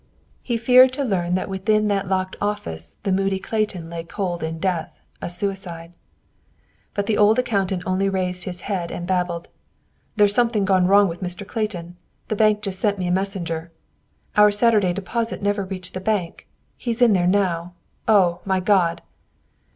He feared to learn that within that locked office the moody Clayton lay cold in death a suicide. But the old accountant only raised his head and babbled, "There's something gone wrong with Mr. Clayton. The bank has just sent me a messenger." "Our Saturday deposit never reached the bank! He's in there now. Oh! My God!"